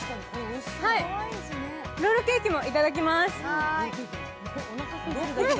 ロールケーキもいただきます。